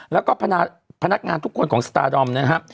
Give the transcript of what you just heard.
แล้วก็พนักงานทุกคนของสตาร์ดอมนะครับ